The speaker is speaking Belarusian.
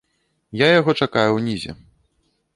Я яго чакаю ўнізе.